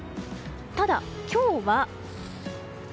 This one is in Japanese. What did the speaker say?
ただ、今日は。